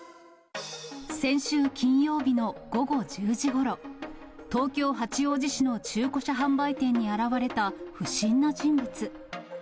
先週金曜日の午後１０時ごろ、東京・八王子市の中古車販売店に現れた不審な人物。